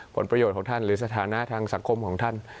ผลประโยชน์ของท่านหรือสถานะทางสังคมของท่าน